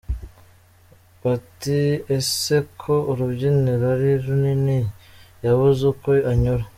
Bati “Ese ko urubyiniro ari runini yabuze aho anyura.